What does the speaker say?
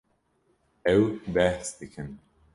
Ew behs dikin.